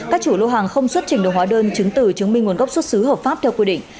các chủ lô hàng không xuất trình đồ hóa đơn chứng từ chứng minh nguồn gốc xuất xứ hợp pháp theo quy định